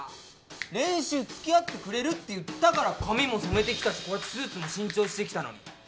練習付き合ってくれるって言ったから髪も染めて来たしこうやってスーツも新調して来たのに。